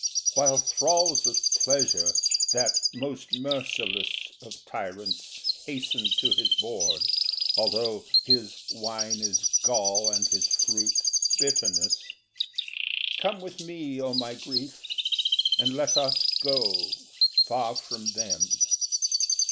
While thralls of Pleasure, that most merciless Of tyrants, hasten to his board (although His wine is gall, and his fruit, bitterness), Come with me, O my Grief, and let us go Far from them.